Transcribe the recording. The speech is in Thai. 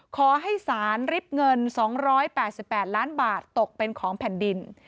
ขอให้สารริบเงิน๒๘๘ล้านบาทตกเป็นของแผ่นดิน